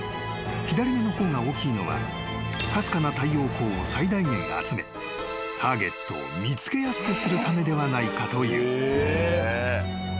［左目の方が大きいのはかすかな太陽光を最大限集めターゲットを見つけやすくするためではないかという］